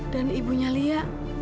dan ibunya lia